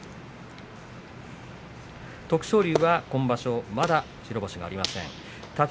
徳勝龍は今場所まだ白星がありません。